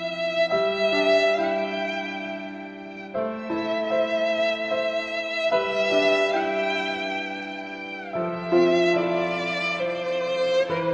เพราะฉะนั้นเราก็ให้ความเป็นธรรมทุกคนอยู่แล้วนะครับ